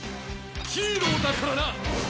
ヒーローだからな！